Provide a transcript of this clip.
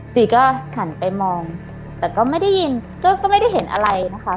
จีก็หันไปมองแต่ก็ไม่ได้ยินก็ไม่ได้เห็นอะไรนะคะ